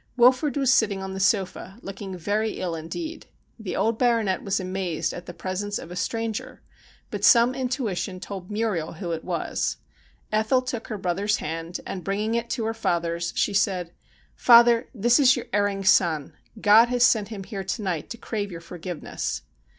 Wilfrid was sitting on the sofa looking very ill indeed. The old Baronet was amazed at the presence of a stranger, but some intuition told Muriel who it was. Ethel took her brother's hand, and bringing it to her father's she said :' Father, this is your erring son. God has sent him here to night to crave your forgiveness.'